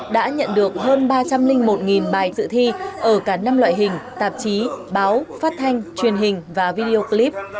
đã nhận được hơn ba trăm linh một bài dự thi ở cả năm loại hình tạp chí báo phát thanh truyền hình và video clip